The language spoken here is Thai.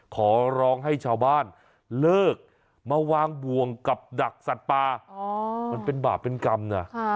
ขอร้องให้ชาวบ้านเลิกมาวางบ่วงกับดักสัตว์ป่ามันเป็นบาปเป็นกรรมนะ